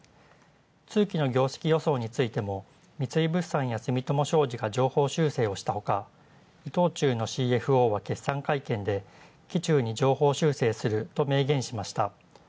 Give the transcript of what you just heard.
通期の業績予想についても三井物産や住友商事が上方修正をしたほか伊藤忠のＣＦＯは決算会見で、期中に上方修正すると明言しました。